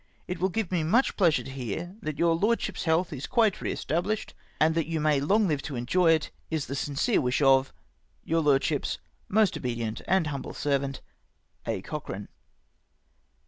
" It will give me much pleasure to hear that your Lordship's health is quite re established, and that you may long live to enjoy it, is the sincere wish of " Your Lordship's " Most obedient and humble servant, "A. Cochrane.